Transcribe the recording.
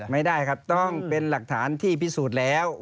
ไม่ได้เหรอครับแอ